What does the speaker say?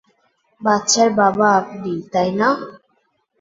বাচ্চার বাবা আপনি, তাই না?